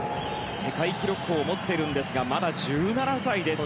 世界記録を持っているんですがまだ１７歳です。